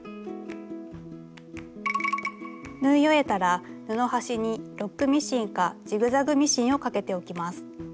縫い終えたら布端にロックミシンかジグザグミシンをかけておきます。